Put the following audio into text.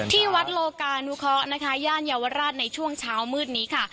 ที่วัดโลกานุเคาะนะคะย่านเยาวราชในช่วงเช้ามืดนี้ค่ะ